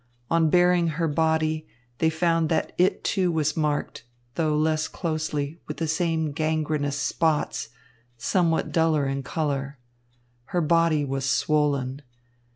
On baring her body, they found that it, too, was marked, though less closely, with the same gangrenous spots, somewhat duller in colour. Her body was swollen.